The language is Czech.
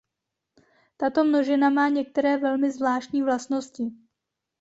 Tato množina má některé velmi zvláštní vlastnosti.